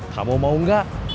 kamu mau enggak